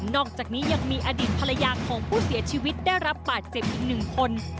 อกจากนี้ยังมีอดีตภรรยาของผู้เสียชีวิตได้รับบาดเจ็บอีกหนึ่งคน